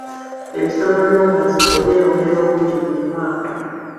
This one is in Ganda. Ebisolo by'omu nsiko byeyongera obungi buli mwaka.